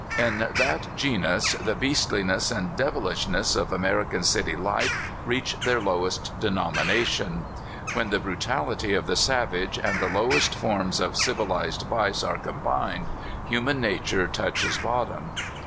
In that genus the beasthness and devihshness of American city life reach their lowest denomination. When the bru taUty of the savage and the lowest forms of civil ized vice are combined, human nature touches bottom.